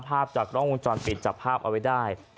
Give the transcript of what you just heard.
ภาพจากกล้องวงจรปิดจับภาพเอาไว้ได้